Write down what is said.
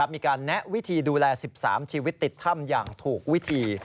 แนะวิธีดูแล๑๓ชีวิตติดถ้ำอย่างถูกวิธี